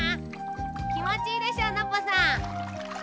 きもちいいでしょノッポさん。